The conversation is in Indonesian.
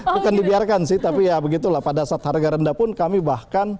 bukan dibiarkan sih tapi ya begitulah pada saat harga rendah pun kami bahkan